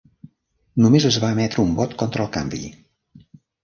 Només es va emetre un vot contra el canvi.